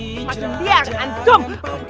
makin liar antum